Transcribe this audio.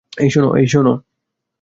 এই, শোনো।